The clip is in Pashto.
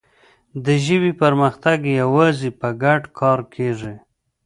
د ژبې پرمختګ یوازې په ګډ کار کېږي.